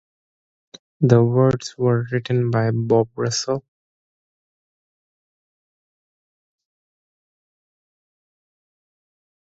The words were written by Bob Russell.